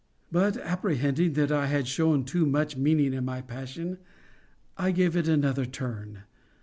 But, apprehending that I had shewn too much meaning in my passion, I gave it another turn.